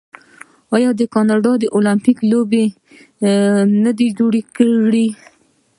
آیا کاناډا المپیک لوبې نه دي جوړې کړي؟